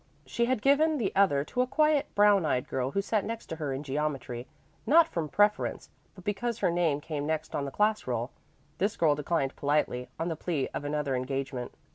She had given the other to a quiet, brown eyed girl who sat next her in geometry, not from preference, but because her name came next on the class roll. This girl declined politely, on the plea of another engagement.